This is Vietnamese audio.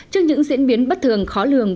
trước những diễn biến bất thường khó lường